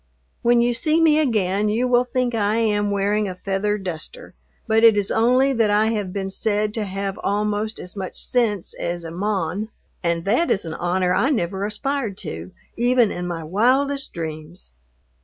When you see me again you will think I am wearing a feather duster, but it is only that I have been said to have almost as much sense as a "mon," and that is an honor I never aspired to, even in my wildest dreams.